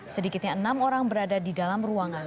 sedikitnya enam orang berada di dalam ruangan